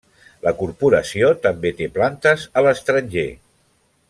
La corporació també té plantes a l'estranger.